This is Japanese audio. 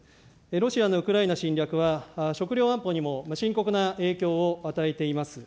ロシアのウクライナ侵略は、食料安保にも深刻な影響を与えています。